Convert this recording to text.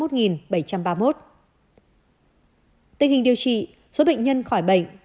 tình hình điều trị số bệnh nhân khỏi bệnh